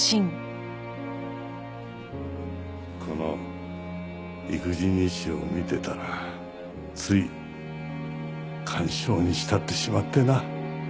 この育児日誌を見てたらつい感傷に浸ってしまってな。